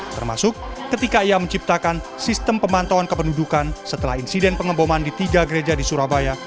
termasuk ketika ia menciptakan sistem pemantauan kependudukan setelah insiden pengeboman di tiga gereja di surabaya